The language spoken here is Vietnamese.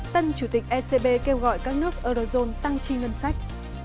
tân chủ tịch ecb kêu gọi các nước eurozone tăng chi ngân sách